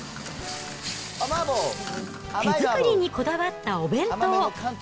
手作りにこだわったお弁当。